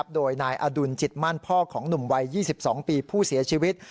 โดยนายอดุลจิตมั่นพ่อของหนุ่มวัย๒๒ปีผู้เสียชีวิต